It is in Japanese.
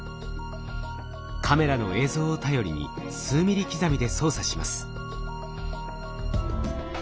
カメラの映像を頼りに数ミリ刻みで操作します。